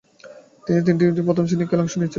তিনি তিনটি প্রথম-শ্রেণীর খেলায় অংশ নিয়েছিলেন।